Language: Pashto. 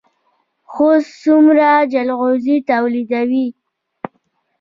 خوست څومره جلغوزي تولیدوي؟